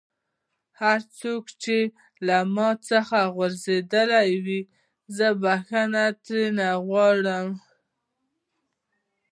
هر څوک که له ما څخه ځؤرېدلی وي زه بخښنه ځينې غواړم